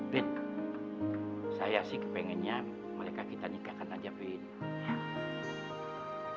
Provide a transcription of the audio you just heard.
bin saya sih kepengennya mereka kita nikahkan aja bin